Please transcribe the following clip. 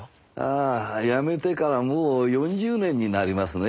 ああやめてからもう４０年になりますね。